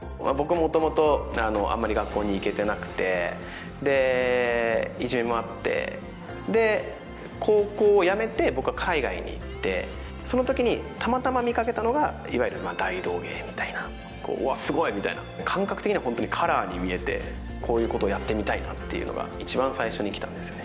もともとあんまり学校に行けてなくてでいじめもあってで高校を辞めて僕は海外に行ってそのときにたまたま見かけたのがいわゆる大道芸みたいなわっすごいみたいな感覚的にはホントにカラーに見えてこういうことをやってみたいなっていうのがいちばん最初にきたんですよね